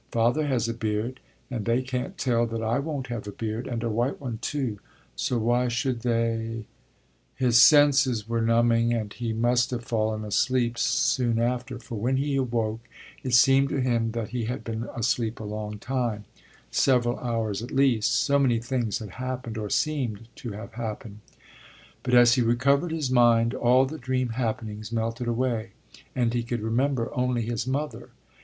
Father has a beard and they can't tell that I won't have a beard, and a white one too, so why should they His senses were numbing, and he must have fallen asleep soon after, for when he awoke it seemed to him that he had been asleep a long time, several hours at least, so many things had happened or seemed to have happened; but as he recovered his mind all the dream happenings melted away, and he could remember only his mother.